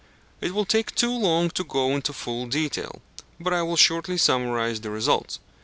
It will take too long to go into full detail: but I will shortly summarize the results.